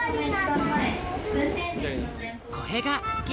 これがけ